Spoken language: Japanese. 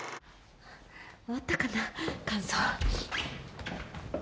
終わったかな乾燥。